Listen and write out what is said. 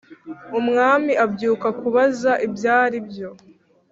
umwami abyuka kubaza ibyaribyo